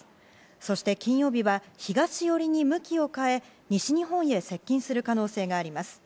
そして金曜日は東寄りに向きを変え西日本へ接近する可能性があります。